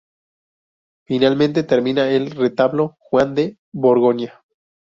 Finalmente termina el retablo Juan de Borgoña.